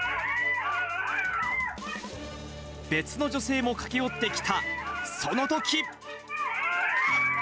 別の女性も駆け寄ってきた、そのとき！